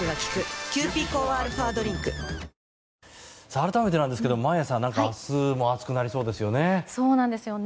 改めてなんですけど眞家さん明日も暑くなりそうですよね。